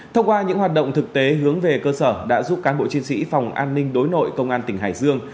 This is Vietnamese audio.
thông qua những hoạt động thực tế hướng về cơ sở đã giúp cán bộ chiến sĩ phòng an ninh đối nội công an tỉnh hải dương